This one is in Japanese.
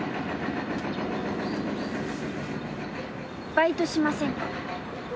「バイトしませんか？」